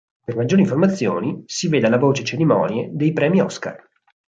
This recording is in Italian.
Per maggiori informazioni si veda la voce Cerimonie dei premi Oscar